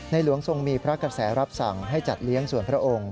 หลวงทรงมีพระกระแสรับสั่งให้จัดเลี้ยงส่วนพระองค์